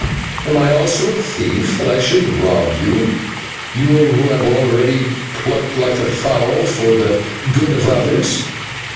am I also a thief that I should rob you, you who have already been plucked like a fowl for the good of others?